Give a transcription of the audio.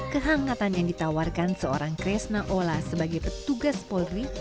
kehangatan yang ditawarkan seorang kresna ola sebagai pembina kursi